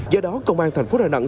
do đó công an thành phố đà nẵng